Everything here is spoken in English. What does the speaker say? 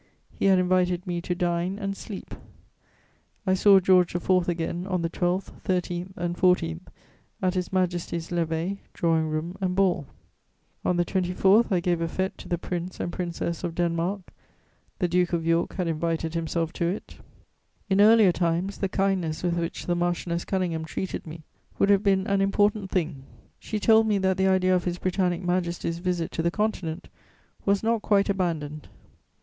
He had invited me to dine and sleep. [Sidenote: George IV.] I saw George IV. again on the 12th, 13th and 14th, at His Majesty's levee, drawing room and ball. On the 24th, I gave a fête to the Prince and Princess of Denmark: the Duke of York had invited himself to it. In earlier times, the kindness with which the Marchioness Conyngham treated me would have been an important thing: she told me that the idea of His Britannic Majesty's visit to the Continent was not quite abandoned.